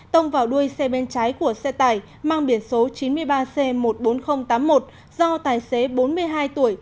tông vào đuôi xe bên trái của xe tải mang biển số chín mươi ba c một mươi bốn nghìn tám mươi một do tài xế bốn mươi hai tuổi